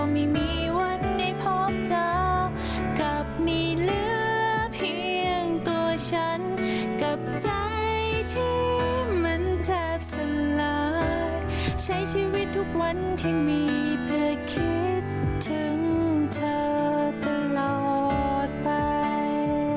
มันแทบสลายใช้ชีวิตทุกวันที่มีเพื่อคิดถึงเธอตลอดไป